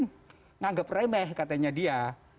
menganggap remeh katanya dia